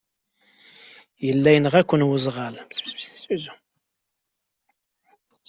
Yella yenɣa-kent weẓɣal.